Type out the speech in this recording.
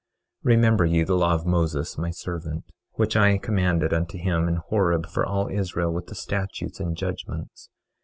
25:4 Remember ye the law of Moses, my servant, which I commanded unto him in Horeb for all Israel, with the statutes and judgments.